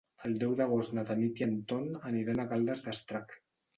El deu d'agost na Tanit i en Ton aniran a Caldes d'Estrac.